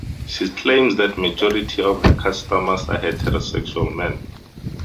She claims that majority of her customers are heterosexual men.